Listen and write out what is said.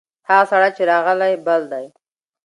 هغه سړی چې راغلی، بل دی.